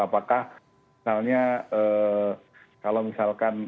apakah misalnya kalau misalkan